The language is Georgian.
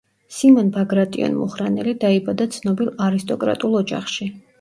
სიმონ ბაგრატიონ-მუხრანელი დაიბადა ცნობილ არისტოკრატულ ოჯახში.